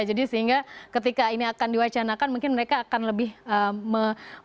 jadi sehingga ketika ini akan diwacanakan mungkin mereka akan lebih berpengaruh